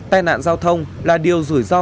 tài nạn giao thông là điều rủi ro